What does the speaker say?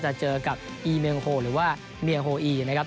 จะเจอกับอีเมงโฮหรือว่าเมียโฮอีนะครับ